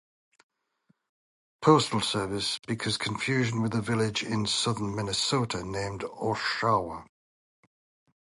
Postal Service "because confusion with a village in southern Minnesota named Oshawa".